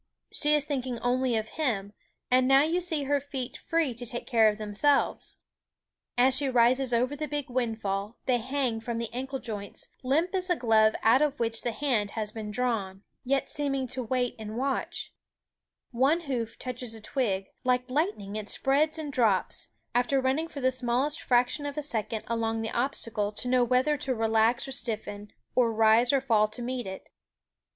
She is thinking only of him ; and now you see her feet free to take care of themselves. As she rises over the big windfall, hang from the ankle joints, limp as 2 glove out of which the hand has beer 47 JJCryinfhe 34 Cry L & SCHOOL OF drawn, waiting and watching. One hoof touches a twig ; like lightning it spreads and drops, after running for the smallest fraction of a second along the obstacle to know whether to relax or stiffen, or rise or fall to meet it.